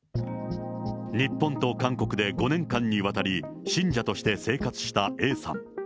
日本と韓国で５年間にわたり、信者として生活したＡさん。